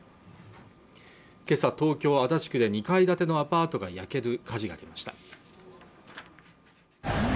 今朝東京足立区で２階建てのアパートが焼ける火事が出ました